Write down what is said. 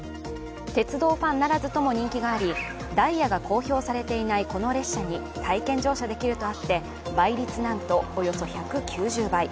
鉄道ファンならずとも人気がありダイヤが公表されていないこの列車に体験乗車できるとあって倍率、なんとおよそ１９０倍。